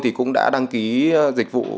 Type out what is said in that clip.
thì cũng đã đăng ký dịch vụ